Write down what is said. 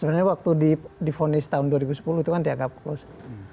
sebenarnya waktu difonis tahun dua ribu sepuluh itu kan dianggap close